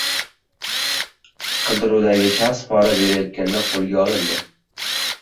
Qidiruvdagi shaxs pora berayotganda qo‘lga olindi